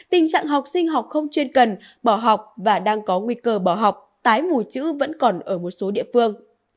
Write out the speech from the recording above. tình trạng học sinh học không chuyên cần bỏ học và đang có nguy cơ bỏ học tái mù chữ vẫn còn ở một số địa phương